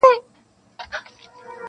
اوس مو د زلمو مستي له وخته سره ژاړي-